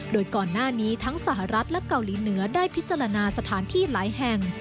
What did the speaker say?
โดยก่อนหน้านี้ทั้งสหรัฐและเกาหลีเหนือได้พิจารณาสถานที่หลายแห่ง